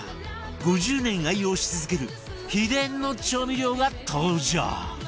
５０年愛用し続ける秘伝の調味料が登場